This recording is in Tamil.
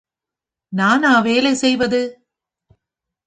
நானா வேலை செய்வது?